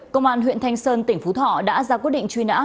công an huyện thanh sơn tỉnh phú thọ đã ra quyết định truy nã